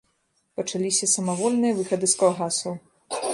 Пачаліся самавольныя выхады з калгасаў.